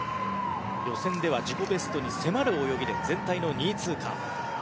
予選では自己ベストに迫る泳ぎで全体の２位通過。